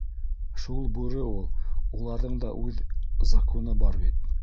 Шул бүре ул. Уларҙың да үҙ закуны бар бит.